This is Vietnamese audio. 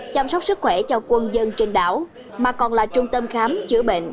chăm sóc sức khỏe cho quân dân trên đảo mà còn là trung tâm khám chữa bệnh